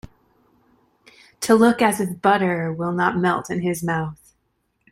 To look as if butter will not melt in his mouth.